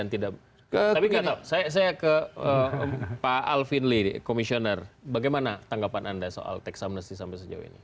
tapi saya ke pak alvin lee komisioner bagaimana tanggapan anda soal tax amnesty sampai sejauh ini